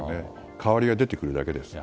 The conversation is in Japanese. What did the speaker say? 代わりが出てくるだけですよ。